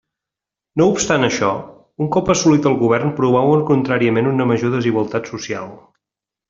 No obstant això, un cop assolit el govern promouen contràriament una major desigualtat social.